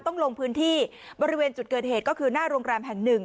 ลงพื้นที่บริเวณจุดเกิดเหตุก็คือหน้าโรงแรมแห่งหนึ่ง